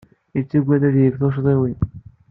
Yettagad ad yeg tuccḍiwin.